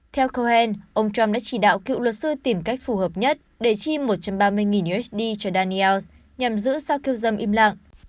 theo cohen ông trump đã chỉ đạo cựu luật sư tìm cách phù hợp nhất để chi một trăm ba mươi usd cho daniels nhằm giữ xa kiêu dâm im lặng